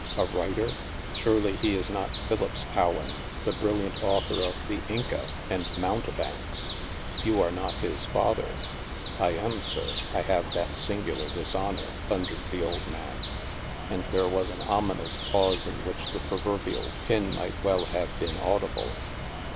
" A writer ? Surely he is not Philippse Howland, STILL WATERS 45 the brilliant author of *The Inca' and 'Mounte banks ?' You are not his father ?"" I am, sir. I have that singular dishonor," thundered the old man. And there was an ominous pause in which the proverbial pin might well have been audible.